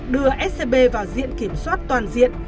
đưa scb vào diện kiểm soát toàn diện